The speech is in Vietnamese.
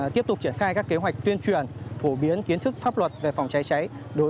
tiếp tục triển khai các kế hoạch tuyên truyền phổ biến kiến thức pháp luật về phòng cháy cháy